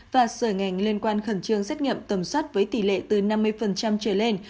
và sở ngành liên quan khẩn trương xét nghiệm tầm soát với tỷ lệ từ năm mươi trở lên